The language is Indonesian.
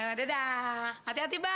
ya dadah hati hati bang